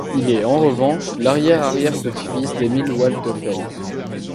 Il est en revanche l'arrière-arrière-petit-fils d'Emile Waldteufel.